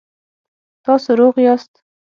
تاسو روغ یاست؟